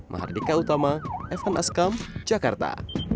mahardika utama evan askam jakarta